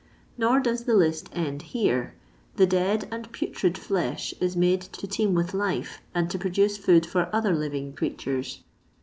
Nor does the list end here ; the dead and putrid flesh is made to teem with life, and to produce food for other living creatures.